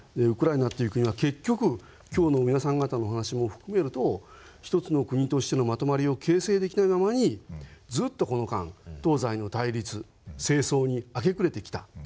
ウクライナという国は結局今日の皆さん方のお話も含めると一つの国としてのまとまりを形成できないままにずっとこの間東西の対立政争に明け暮れてきた。